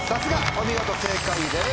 お見事正解です。